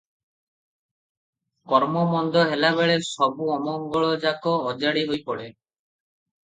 କର୍ମ ମନ୍ଦ ହେଲାବେଳେ ସବୁ ଅମଙ୍ଗଳଯାକ ଅଜାଡ଼ି ହୋଇପଡ଼େ ।